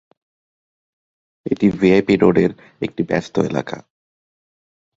এটি ভিআইপি রোড-এর একটি ব্যস্ত এলাকা।